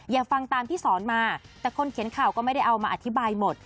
ฟังตามที่สอนมาแต่คนเขียนข่าวก็ไม่ได้เอามาอธิบายหมด